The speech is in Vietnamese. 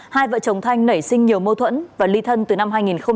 hai vợ chồng thanh nảy sinh nhiều mâu thuẫn và ly thân từ năm hai nghìn một mươi